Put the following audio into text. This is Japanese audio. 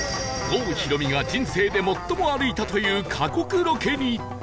郷ひろみが人生で最も歩いたという過酷ロケに